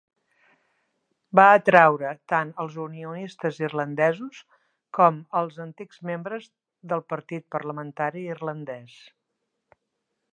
Va atraure tant als unionistes irlandesos com als antics membres del Partit Parlamentari Irlandès.